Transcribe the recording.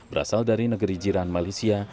berasal dari negeri jiran malaysia